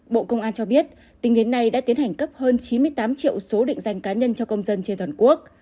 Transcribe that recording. bộ công an cho biết tính đến nay đã tiến hành cấp hơn chín mươi tám triệu số định danh cá nhân cho công dân trên toàn quốc